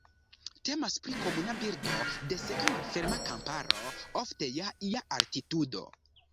Temas pri komuna birdo de seka malferma kamparo, ofte je ia altitudo.